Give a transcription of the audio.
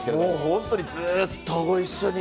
本当にずっとご一緒に。